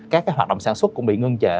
các hoạt động sản xuất cũng bị ngưng trệ